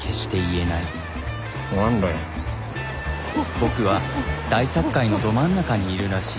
僕は大殺界のど真ん中にいるらしい。